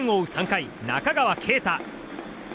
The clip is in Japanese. ３回中川圭太。